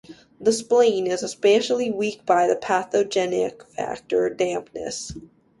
The Spleen is especially weakened by the Pathogenic Factor "Dampness".